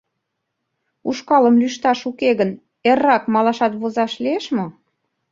— Ушкалым лӱшташ уке гын, эррак малашат возаш лиеш мо?